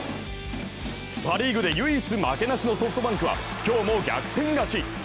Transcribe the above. パ・リーグで唯一負けなしのソフトバンクは今日も逆転勝ち。